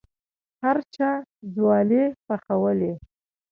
هر چا ځوالې پخولې.